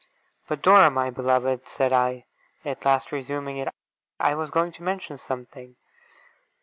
'But, Dora, my beloved!' said I, at last resuming it; 'I was going to mention something.